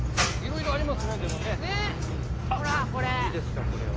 なんですかこれは。